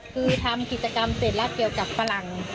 คือทำกิจกรรมเสร็จแล้วเกี่ยวกับฝรั่ง